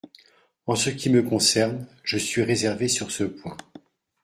En ce qui me concerne, je suis réservé sur ce point.